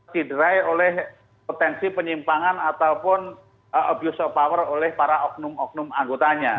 diderai oleh potensi penyimpangan ataupun abuse of power oleh para oknum oknum anggotanya